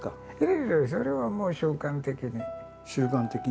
それはもう習慣的に。